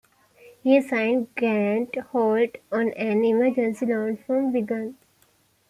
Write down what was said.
He signed Grant Holt on an emergency loan from Wigan.